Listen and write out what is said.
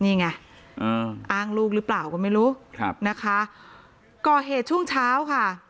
นี่ไงอ้างลูกหรือเปล่าก็ไม่รู้ครับนะคะก่อเหตุช่วงเช้าค่ะ